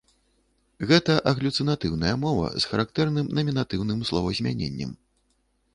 Гэта аглюцінатыўная мова з характэрным намінатыўным словазмяненнем.